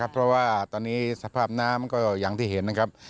เพราะว่าตอนนี้สภาพน้ำก็อย่างที่เห็นนะครับ